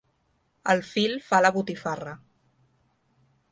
El fil fa la botifarra.